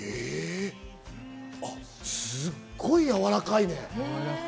すごいやわらかいね。